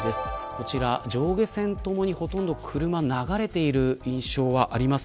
こちら上下線ともに、ほとんど車が流れている印象はあります。